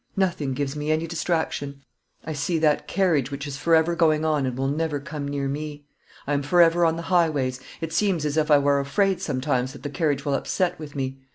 Nothing gives me any distraction. I see that carriage, which is forever going on and will never come near me. I am forever on the highways; it seems as if I were afraid sometimes that the carriage will upset with me.